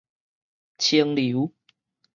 清流